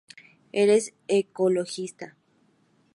Eres ecologista